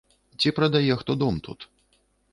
Ці прадае хто дом тут.